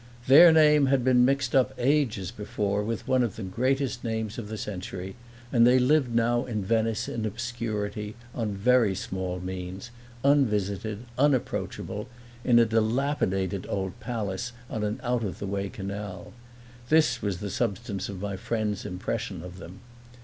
Their name had been mixed up ages before with one of the greatest names of the century, and they lived now in Venice in obscurity, on very small means, unvisited, unapproachable, in a dilapidated old palace on an out of the way canal: this was the substance of my friend's impression of them.